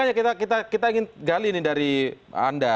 mungkin makanya kita ingin gali nih dari anda